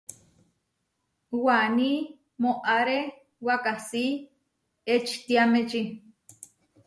Waní moʼáre wakasí eʼčitiámeči.